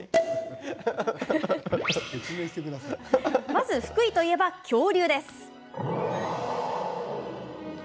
まず福井といえば、恐竜。